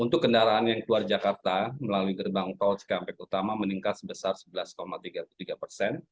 untuk kendaraan yang keluar jakarta melalui gerbang tol cikampek utama meningkat sebesar sebelas tiga puluh tiga persen